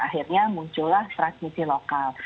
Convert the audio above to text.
akhirnya muncullah transmisi lokal